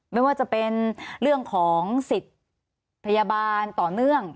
ไม่ว่าจะเป็นเรื่องของสิทธิ์พยาบาลต่อเนื่อง